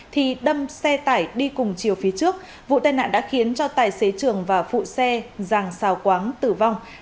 thì đâm xe tải đi cùng chiều phía trước vụ tai nạn đã khiến cho tài xế trường và phụ xe giàng xào quáng tử vong